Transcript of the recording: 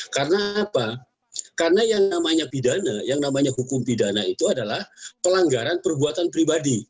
karena apa karena yang namanya pidana yang namanya hukum pidana itu adalah pelanggaran perbuatan pribadi